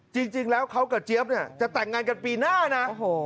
จริงแล้วเขากับเจี๊ยบเนี่ยจะแต่งงานกันปีหน้านะ